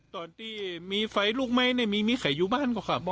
ตอนที่มีไฟลูกไหม้นี่มีไขยู้บ้านก็ครับ